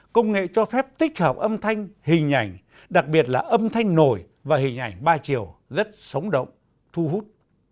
công nghệ cho phép tích hợp âm thanh hình ảnh đặc biệt là âm thanh nổi và hình ảnh ba chiều rất sống động thu hút